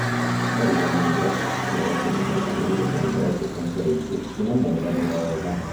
Tuttavia, Miro, che è sentimentalmente coinvolto con Page, si innamora di Rosa.